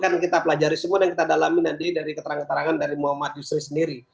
akan kita pelajari semua dan kita dalami nanti dari keterangan keterangan dari muhammad yusri sendiri